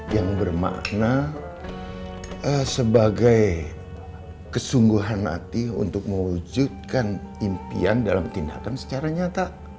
yang bermakna sebagai kesungguhan hati untuk mewujudkan impian dalam tindakan secara nyata